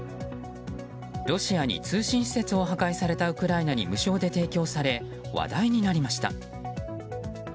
ロシアに通信施設を破壊されたウクライナに無償で提供され話題になりました。